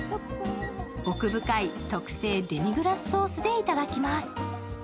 奥深い特製デミグラスソースでいただきます。